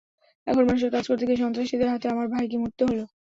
এখন মানুষের কাজ করতে গিয়ে সন্ত্রাসীদের হাতে আমার ভাইকে মরতে হলো।